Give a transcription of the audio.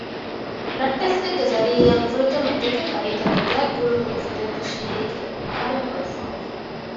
ރައްޓެއްސެއްގެ ޒަރީޢާއިން ފުރަތަމަ ދެކިފަރިތަވެ ގާތް ގުޅުމެއް އުފެދެން ފެށީ އޭގެ އަހަރެއް ވަރު ފަހުން